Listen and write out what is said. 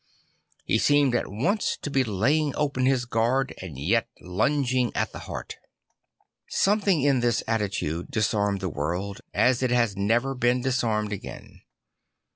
He seemed at once to be laying open his guard and yet lung ing at the heart. Something in this attitude dis anned the world as it has never been disanned again.